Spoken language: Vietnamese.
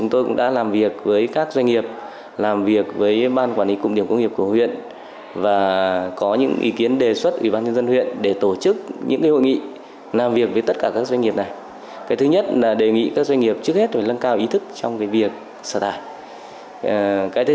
tuy nhiên làm việc với các doanh nghiệp trong điểm công nghiệp di trạch